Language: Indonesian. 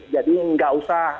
jadi gak usah